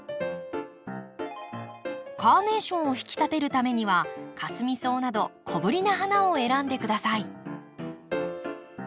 カーネーションを引き立てるためにはカスミソウなど小ぶりな花を選んで下さい。